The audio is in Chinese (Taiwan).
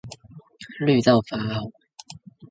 綠到發紅